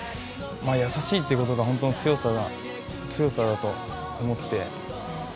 優しいっていうことが、本当の強さだと思って。